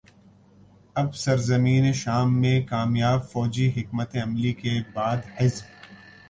اب سرزمین شام میں کامیاب فوجی حکمت عملی کے بعد حزب